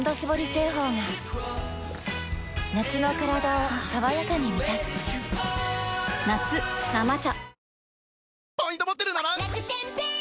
製法が夏のカラダを爽やかに満たす夏「生茶」